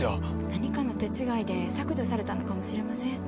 何かの手違いで削除されたのかもしれません。